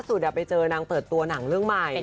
สุดไปเจอนางเปิดตัวหนังเรื่องใหม่